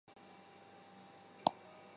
后由于一方接任。